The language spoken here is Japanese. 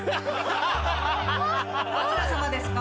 どちら様ですか？